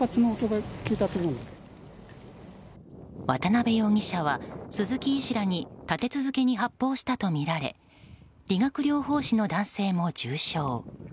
渡辺容疑者は鈴木医師らに立て続けに発砲したとみられ理学療法士の男性も重傷。